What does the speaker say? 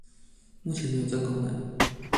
目前沒有這功能